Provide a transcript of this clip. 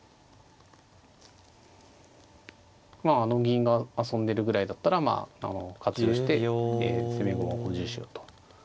まああの銀が遊んでるぐらいだったら活用して攻め駒を補充しようと。